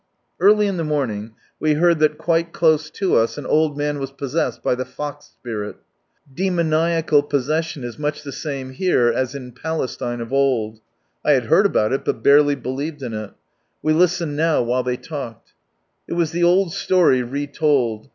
Early in the morning we heard that quite close to us an old man was possessed by " the fox spirit." Demoniacal possession is much the same here as in Palestine, of old. I had heard about it, but barely believed in iL We listened now while they talked. It was the old story retold.